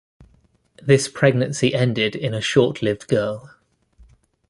This pregnancy ended in a short-lived girl.